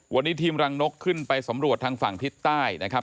วันนี้ทีมรังนกขึ้นไปสำรวจทางฝั่งทิศใต้นะครับ